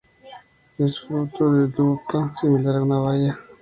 El fruto es una drupa similar a una baya.